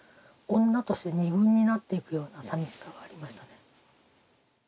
女として２軍になっていくようなさみしさがありましたね。